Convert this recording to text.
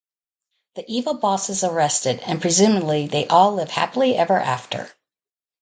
The evil boss is arrested, and presumably they all live happily ever after.